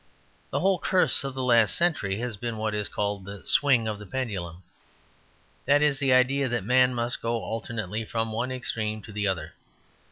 The whole curse of the last century has been what is called the Swing of the Pendulum; that is the idea that Man must go alternately from one extreme to the other.